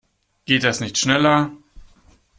Geht das nicht schneller?